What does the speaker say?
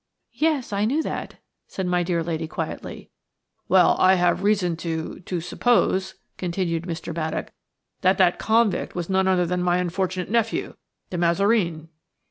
"Yes, I knew that," said my dear lady, quietly. "Well, I have reason to–to suppose," continued Mr. Baddock, "that that convict was none other than my unfortunate nephew, De Mazareen."